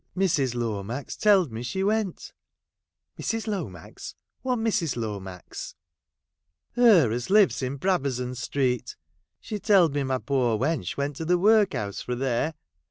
' Mrs. Lomax telled me she went' ' Mrs. Lomax — what Mrs. Lomax 1 '' Her as lives in Brabazon street. She telled me my poor wench went to the work house fra there.